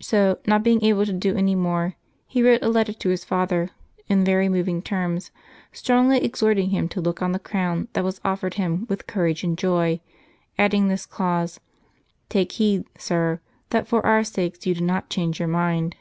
So, not being able to do any more, he wrote a letter to his father in very moving terms, strongly ex horting him to look on the crown that was offered him with courage and joy, adding this clause, " Take heed, sir, that for our sakes you do not change your mind."